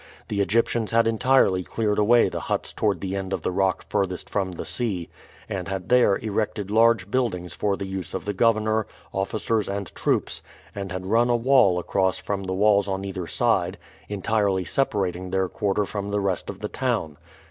The Egyptians had entirely cleared away the huts toward the end of the rock furthest from the sea, and had there erected large buildings for the use of the governor, officers, and troops; and had run a wall across from the walls on either side, entirely separating their quarter from the rest of the town.